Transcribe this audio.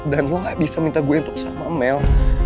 dan lo gak bisa minta gue untuk sama mel